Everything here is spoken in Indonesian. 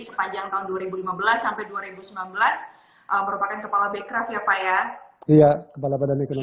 sepanjang tahun dua ribu lima belas sampai dua ribu sembilan belas merupakan kepala bekraf ya pak ya iya kepala badan ekonomi